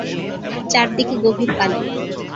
চারদিকে গভীর পানি।